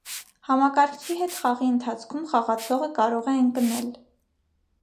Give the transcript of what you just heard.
Համակարգչի հետ խաղի ընթացքում խաղացողը կարող է ընկնել։